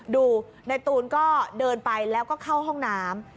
ดูในตูนก็เดินไปแล้วก็เข้าห้องน้ำ